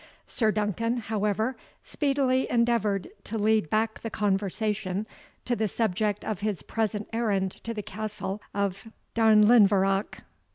Sir Duncan, however, speedily endeavoured to lead back the conversation to the subject of his present errand to the castle of Darnlinvarach.